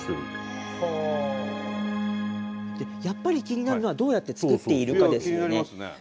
やっぱり気になるのはどうやって作っているかですよね。